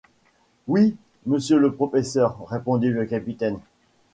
Oui, monsieur le professeur, répondit le capitaine.